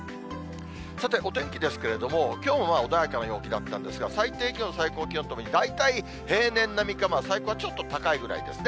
さて、お天気ですけれども、きょうは穏やかな陽気だったんですが、最低気温、最高気温ともに大体平年並みか、最高はちょっと高いくらいですね。